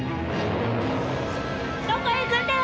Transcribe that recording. どこへ行くんだよ！